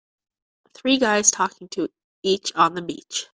Three guys talking to each on the beach.